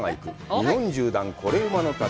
日本縦断コレうまの旅」。